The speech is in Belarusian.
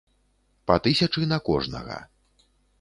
Па тысячы на кожнага.